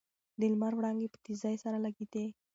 د لمر وړانګې په تېزۍ سره لګېدې.